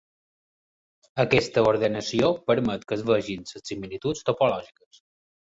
Aquesta ordenació permet que es vegin les similituds topològiques.